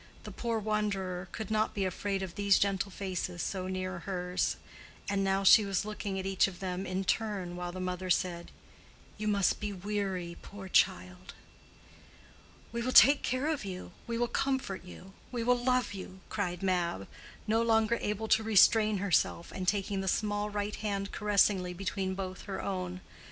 The poor wanderer could not be afraid of these gentle faces so near hers: and now she was looking at each of them in turn while the mother said, "You must be weary, poor child." "We will take care of you—we will comfort you—we will love you," cried Mab, no longer able to restrain herself, and taking the small right hand caressingly between both her own.